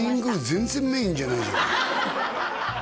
全然メインじゃねえじゃん